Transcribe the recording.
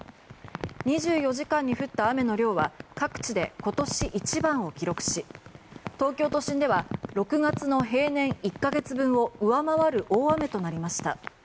２４時間に降った雨の量は各地で、今年一番を記録し東京都心では６月の平年１か月分を上回る大雨となりました。